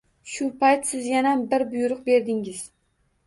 Shu payt siz yana bir buyruq berdingiz